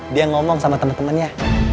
dia ngomong sama temen temennya